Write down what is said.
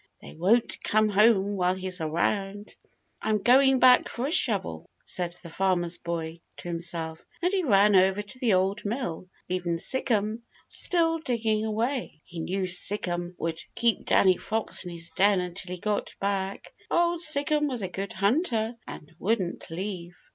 "They won't come home while he's around." "I'm going back for a shovel," said the Farmer's Boy to himself, and he ran over to the Old Mill, leaving Sic'em still digging away. He knew Sic'em would keep Danny Fox in his den until he got back. Old Sic'em was a good hunter and wouldn't leave.